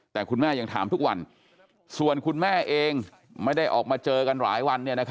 แต่คุณแม่ยังถามทุกวันส่วนคุณแม่เองไม่ได้ออกมาเจอกันหลายวัน